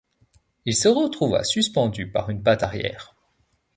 Il se retrouva suspendu par une patte arrière.